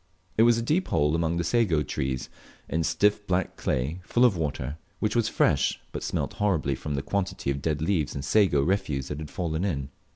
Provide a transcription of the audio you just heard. It was a deep hole among the Sago trees, in stiff black clay, full of water, which was fresh, but smelt horribly from the quantity of dead leaves and sago refuse that had fallen in.